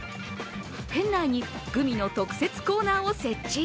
店内にグミの特設コーナーを設置。